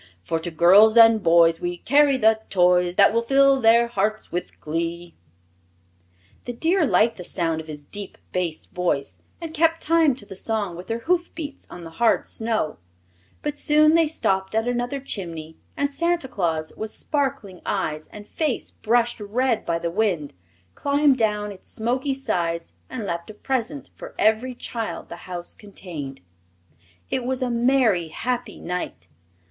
For to girls and boys We carry the toys That will fill their hearts with glee!" The deer liked the sound of his deep bass voice and kept time to the song with their hoofbeats on the hard snow; but soon they stopped at another chimney and Santa Claus, with sparkling eyes and face brushed red by the wind, climbed down its smoky sides and left a present for every child the house contained. It was a merry, happy night.